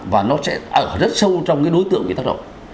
và nó sẽ ở rất sâu trong cái đối tượng bị tác động